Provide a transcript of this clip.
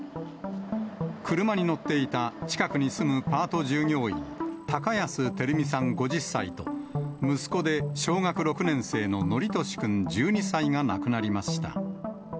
車に乗っていた、近くに住むパート従業員、高安照美さん５０歳と、息子で小学６年生の規稔君１２歳が亡くなりました。